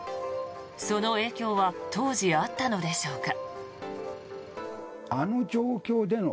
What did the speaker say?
その影響は当時あったのでしょうか。